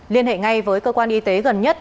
liên hệ ngay với cơ quan y tế gần nhất